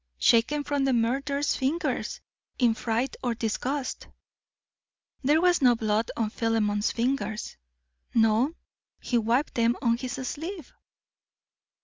"Shaken from the murderer's fingers in fright or disgust." "There was no blood on Philemon's fingers." "No; he wiped them on his sleeve."